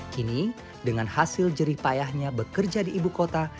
kini dengan hasil jerih payahnya bekerja di ibu kota